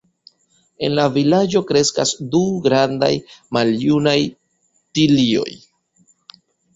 En la vilaĝo kreskas du grandaj maljunaj tilioj.